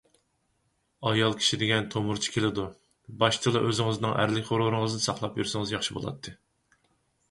ئايال كىشى دېگەن تومۇرچى كېلىدۇ. باشتىلا ئۆزىڭىزنىڭ ئەرلىك غۇرۇرىڭىزنى ساقلاپ يۈرسىڭىز بولاتتى.